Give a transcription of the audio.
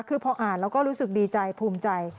คือพออ่านแล้วก็รู้สึกดีใจภูมิใจ